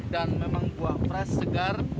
dan memang buah fresh segar